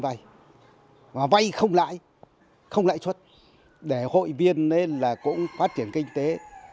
và vay không lại không lại xuất để hội viên nên là cũng phát triển kinh tế